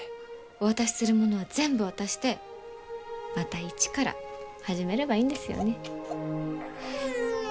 お渡しするものは全部渡してまた一から始めればいいんですよね。